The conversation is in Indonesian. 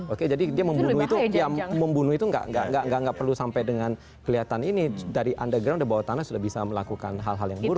oke jadi dia membunuh itu gak perlu sampai dengan kelihatan ini dari underground dan bawah tanah sudah bisa melakukan hal hal yang lainnya ya